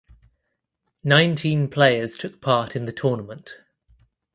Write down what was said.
Nineteen players took part in the tournament.